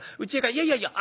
「いやいやいや。